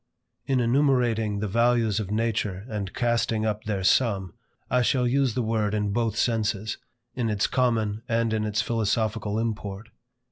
In enumerating the values of nature and casting up their sum, I shall use the word in both senses; in its common and in its philosophical import.